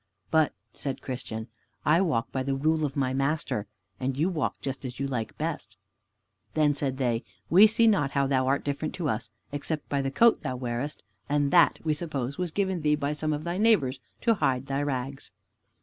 "But," said Christian, "I walk by the Rule of my Master, and you walk just as you like best." Then said they, "We see not how thou art different to us, except by the coat thou wearest, and that, we suppose, was given thee by some of thy neighbors, to hide thy rags."